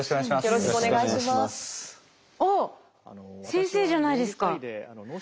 先生じゃないですか。